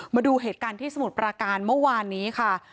มาดูเหตุการณ์ที่สมุทรปราการเมื่อวานนี้ค่ะ